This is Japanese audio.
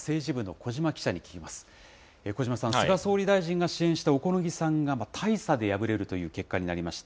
小嶋さん、菅総理大臣が支援した小此木さんが大差で敗れるという結果になりました。